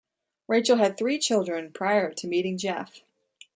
Rachel had three children prior to meeting Jeff.